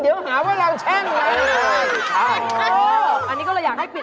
เดี๋ยวหาวันเราแช่งไว้